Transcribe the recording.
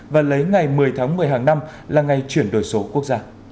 và lấy ngày một mươi tháng một mươi hàng năm là ngày chuyển đổi số quốc gia